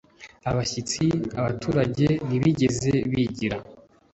abashyitsi, abaturage ntibigeze bigera